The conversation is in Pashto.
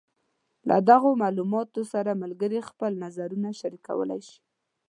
له دغو معلوماتو سره ملګري خپل نظرونه شریکولی شي.